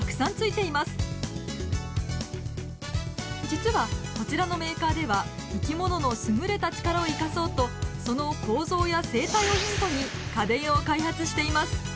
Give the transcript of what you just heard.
実はこちらのメーカーでは生き物の優れた力を生かそうとその構造や生態をヒントに家電を開発しています。